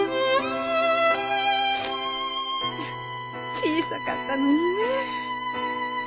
小さかったのにね。